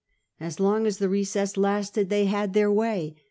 As long as the recess lasted they had their way.